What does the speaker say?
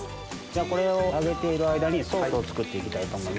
これを揚げている間にソースを作って行きたいと思います。